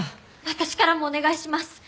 私からもお願いします。